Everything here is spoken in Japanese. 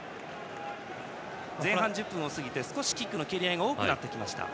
前半１０分を過ぎて蹴り合いが多くなってきました。